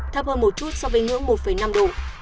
thấp hơn một chút so với ngưỡng một năm độ